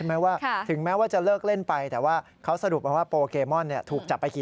แต่ตอนนี้เป็นอย่างไร